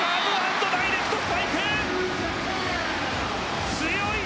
ダイレクトスパイク。